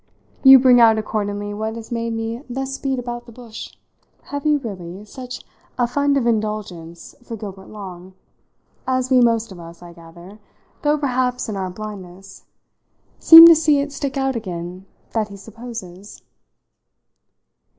You bring out accordingly what has made me thus beat about the bush. Have you really such a fund of indulgence for Gilbert Long as we most of us, I gather though perhaps in our blindness seem to see it stick out again that he supposes?